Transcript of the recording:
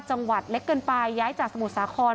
จังหวัดเล็กเกินไปย้ายจากสมุทรสาคร